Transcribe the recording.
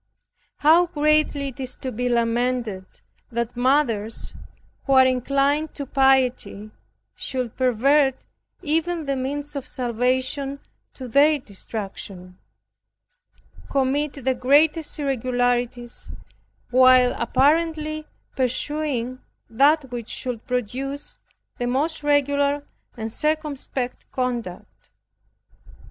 How greatly it is to be lamented, that mothers who are inclined to piety, should pervert even the means of salvation to their destruction commit the greatest irregularities while apparently pursuing that which should produce the most regular and circumspect conduct.